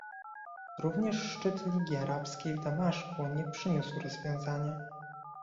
Również szczyt Ligi Arabskiej w Damaszku nie przyniósł rozwiązania